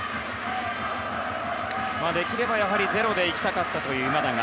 できればゼロでいきたかったという今永。